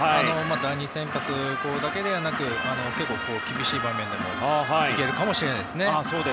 第２先発だけではなく結構、厳しい場面でも行けるかもしれません。